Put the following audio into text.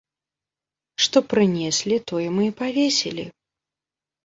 Што прынеслі, тое мы і павесілі.